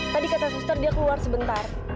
tadi kata suster dia keluar sebentar